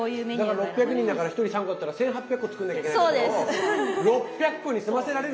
だから６００人だから１人３個っていうのは１，８００個作んなきゃいけないところを６００個に済ませられると。